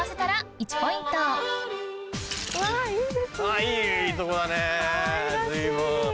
いいとこだね随分。